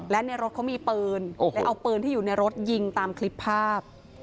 และในรถเขามีปืนเลยเอาปืนที่อยู่ในรถยิงตามคลิปภาพ